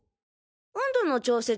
温度の調節